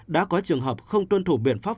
đã có trường hợp không tuân thủ biện pháp